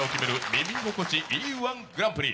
「耳心地いい−１グランプリ」。